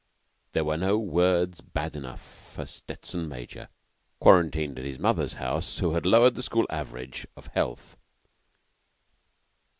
There were no words bad enough for Stettson major, quarantined at his mother's house, who had lowered the school average of health.